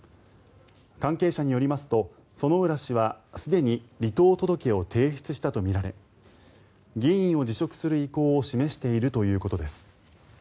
関係者によりますと薗浦氏はすでに離党届を提出したとみられ議員を辞職する意向を示しているということです。